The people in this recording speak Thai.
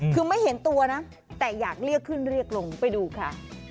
คือไม่เห็นตัวนะแต่อยากเรียกขึ้นเรียกลงไปดูค่ะ